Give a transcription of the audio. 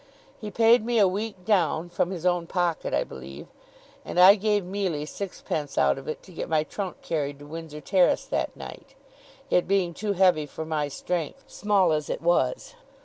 He paid me a week down (from his own pocket, I believe), and I gave Mealy sixpence out of it to get my trunk carried to Windsor Terrace that night: it being too heavy for my strength, small as it was.